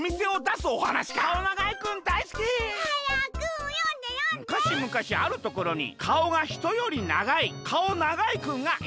「むかしむかしあるところにかおがひとよりながいかおながいくんがいました。